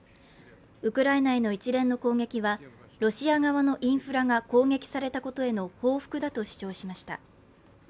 ウクライナへの一連の攻撃はロシア側のインフラが攻撃されたことへの報復だと主張しました。